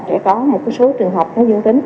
sẽ có một số trường hợp dân tính